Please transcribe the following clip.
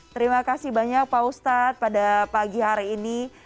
terima kasih banyak pak ustadz pada pagi hari ini